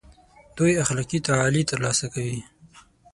دوی اخلاقي تعالي تر لاسه کړي.